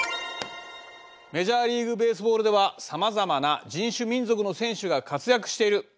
「メジャーリーグベースボールではさまざまな人種・民族の選手が活躍している。